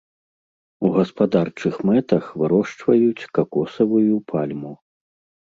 У гаспадарчых мэтах вырошчваюць какосавую пальму.